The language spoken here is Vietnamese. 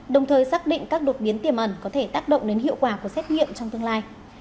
đồng thời xác định các đột biến tiềm ẩn có thể tác động đến hiệu quả của xét nghiệm trong tương lai